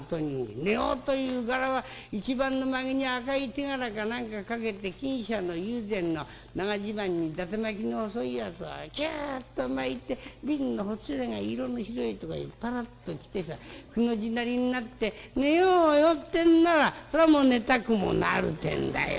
寝ようという柄は一番の髷に赤い手絡か何かかけて錦紗の友禅の長襦袢にだて巻きの細いやつをキュッと巻いて鬢のほつれが色の白いとこへパラッと来てさくの字なりになって『寝ようよ』ってんならそれはもう寝たくもなるってんだよ。